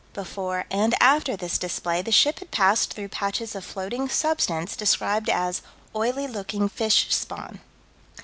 Before and after this display the ship had passed through patches of floating substance described as "oily looking fish spawn."